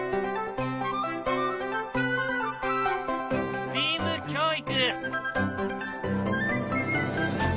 ＳＴＥＡＭ教育。